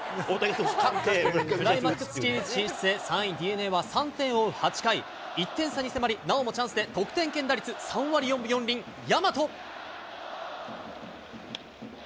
クライマックスシリーズ進出へ、３位ＤｅＮＡは、３点を追う８回、１点差に迫り、なおもチャンスで得点圏打率３割４分４厘、大和。